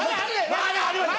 まだありますよ！